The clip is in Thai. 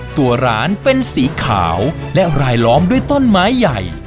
ตัวร้านเป็นสีขาวและรายล้อมด้วยต้นไม้ใหญ่